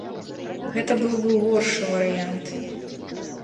Гэта быў бы горшы варыянт.